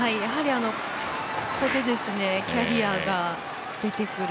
ここでキャリアが出てくる。